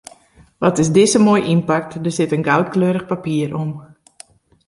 Wat is dizze moai ynpakt, der sit in goudkleurich papier om.